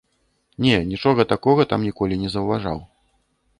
Не, нічога такога там ніколі не заўважаў.